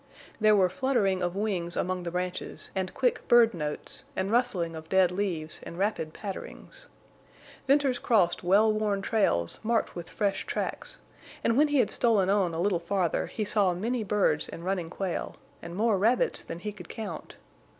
There were fluttering of wings among the branches and quick bird notes, and rustling of dead leaves and rapid patterings. Venters crossed well worn trails marked with fresh tracks; and when he had stolen on a little farther he saw many birds and running quail, and more rabbits than he could count.